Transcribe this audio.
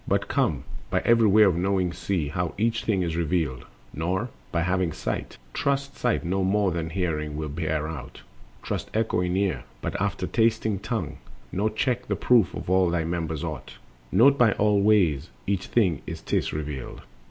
But come, by every way of knowing see How each thing is revealed. Nor, having sight, Trust sight no more than hearing will bear out, Trust echoing ear but after tasting tongue; Nor check the proof of all thy members aught: Note by all ways each thing as 'tis revealed.